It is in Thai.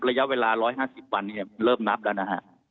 ระยะเวลา๑๕๐วันเริ่มนับแล้วนะฮะ